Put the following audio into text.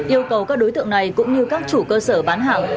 yêu cầu các đối tượng này cũng như các chủ cơ sở bán hàng